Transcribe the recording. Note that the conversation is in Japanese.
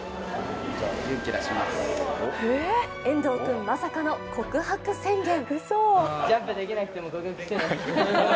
遠藤君、まさかの告白宣言。